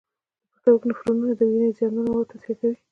د پښتورګو نفرونونه د وینې زیانمن مواد تصفیه کوي.